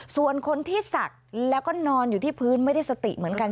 ส่วนคนที่ศักดิ์แล้วก็นอนอยู่ที่พื้นไม่ได้สติเหมือนกัน